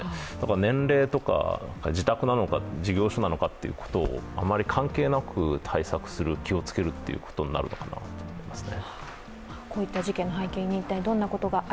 年齢とか、自宅なのか、事業所なのかということ、あんまり関係なく対策する気を付けるということになるのかなと思いますね。